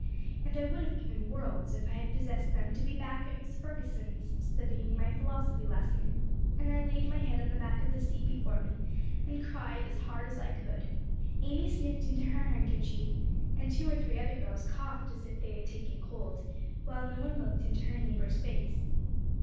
And I would have given worlds, if I had possessed them, to be back at Mrs. Ferguson's, studying my philosophy lesson. And I laid my head on the back of the seat before me, and cried as hard as I could." Amy sniffed into her handkerchief, and two or three other girls coughed as if they had taken cold, while no one looked into her neighbor's face.